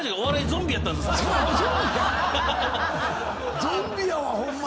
ゾンビやわホンマに。